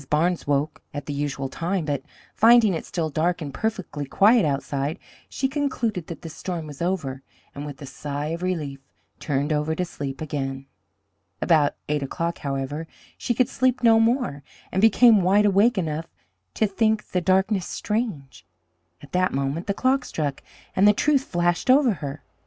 Barnes woke at the usual time, but finding it still dark and perfectly quiet outside, she concluded that the storm was over, and with a sigh of relief turned over to sleep again. About eight o'clock, however, she could sleep no more, and became wide awake enough to think the darkness strange. At that moment the clock struck, and the truth flashed over her.